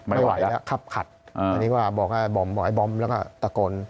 ไม่ไหวแล้วขับขัดอันนี้ก็บอกให้บอมบอกไอ้บอมแล้วก็ตะโกน